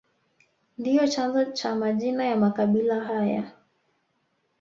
Ndio chanzo cha majina ya makabila haya